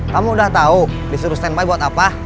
kamu udah tau disuruh stand by buat apa